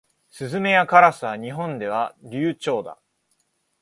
スズメやカラスは日本では留鳥だ。